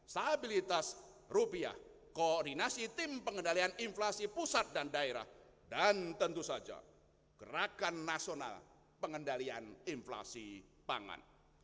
stabilitas rupiah koordinasi tim pengendalian inflasi pusat dan daerah dan tentu saja gerakan nasional pengendalian inflasi pangan